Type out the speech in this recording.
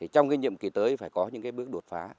trong cái nhiệm kỳ tới phải có những bước đột phá